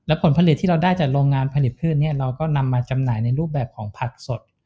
ผลผลิตที่เราได้จากโรงงานผลิตพืชเนี่ยเราก็นำมาจำหน่ายในรูปแบบของผักสด